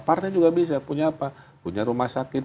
partai juga bisa punya apa punya rumah sakit